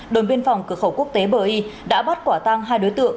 đồng biên phòng cửa khẩu quốc tế bỡ y đã bắt quả tăng hai đối tượng